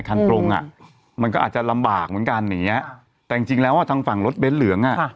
ตรงอ่ะมันก็อาจจะลำบากเหมือนกันอย่างเงี้ยแต่จริงจริงแล้วอ่ะทางฝั่งรถเบ้นเหลืองอ่ะค่ะ